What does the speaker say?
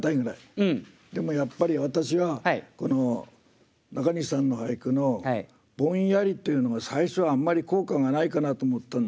でもやっぱり私は中西さんの俳句の「ぼんやり」というのが最初あんまり効果がないかなと思ってたんだけど。